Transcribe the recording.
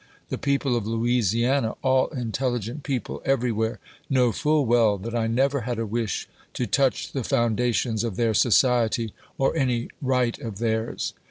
The people of Louisiana — all intelligent people everywhere — know full well that I never had a wish to touch the foun dations of their society, or any right of theirs.